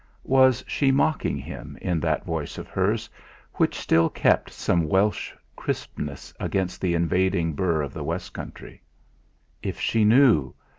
Was she mocking him, in that voice of hers, which still kept some Welsh crispness against the invading burr of the West Country? If she knew!